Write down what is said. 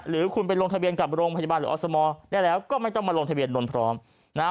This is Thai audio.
หรือคุณไปลงทะเบียนกับโรงพยาบาลหรืออสมได้แล้วก็ไม่ต้องมาลงทะเบียนนท์พร้อมนะฮะ